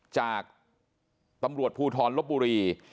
จากตำรวจภูทรลบบุรี